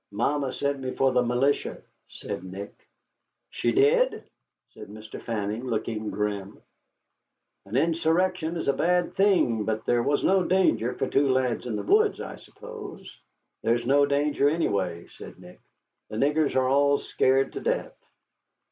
"Mamma sent me for the militia," said Nick. "She did!" said Mr. Fanning, looking grim. "An insurrection is a bad thing, but there was no danger for two lads in the woods, I suppose." "There's no danger anyway," said Nick. "The niggers are all scared to death."